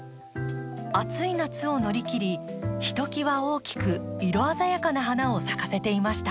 暑い夏を乗り切りひときわ大きく色鮮やかな花を咲かせていました。